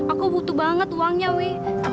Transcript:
aku butuh banget uangnya wi